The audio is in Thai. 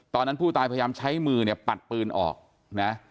ตอนนั้นผู้ตายพยายามใช้มือเนี่ยปัดปืนออกนะ